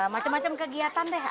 macam macam kegiatan deh